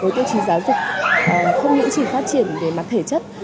với tiêu chí giáo dục không những chỉ phát triển về mặt thể chất